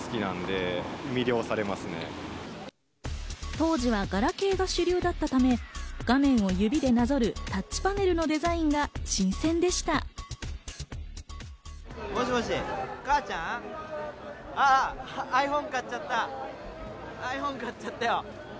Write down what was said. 当時はガラケーが主流だったため、画面を指でなぞるタッチパネルのデザインが新鮮でした。